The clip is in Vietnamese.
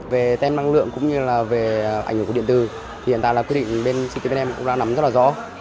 về tem năng lượng cũng như là về ảnh hưởng của điện tử hiện tại là quy định bên ctvnm cũng đang nắm rất là rõ